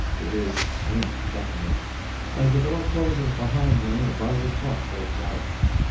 It is Flint Buckner. As the door closes behind him a buzz of talk breaks out.